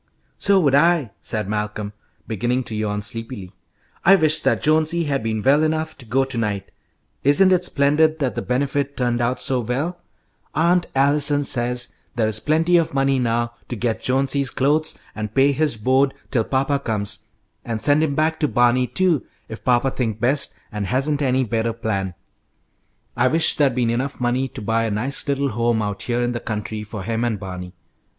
"So would I," said Malcolm, beginning to yawn sleepily. "I wish that Jonesy had been well enough to go to night. Isn't it splendid that the Benefit turned out so well? Aunt Allison says there is plenty of money now to get Jonesy's clothes and pay his board till papa comes, and send him back to Barney, too, if papa thinks best and hasn't any better plan." "I wish there'd been enough money to buy a nice little home out here in the country for him and Barney.